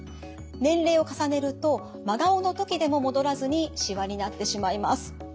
年齢を重ねると真顔の時でも戻らずにしわになってしまいます。